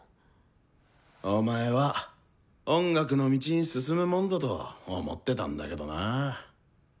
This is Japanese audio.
お前は音楽の道に進むもんだと思ってたんだけどなぁ。